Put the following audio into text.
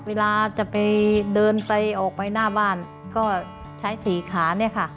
เวลาจะไปเดินออกไปหน้าบ้านก็ใช้สี่ขา